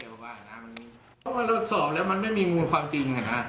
เพราะว่าเราสอบแล้วมันไม่มีมูลความจริงอ่ะนะ